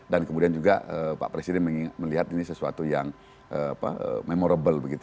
dan kemudian juga pak presiden melihat ini sesuatu yang memorable